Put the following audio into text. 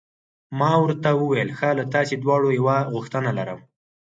ما ورته وویل: ښه، له تاسي دواړو یوه غوښتنه لرم.